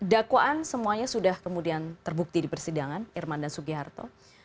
dakwaan semuanya sudah kemudian terbukti di persidangan irman dan sugiharto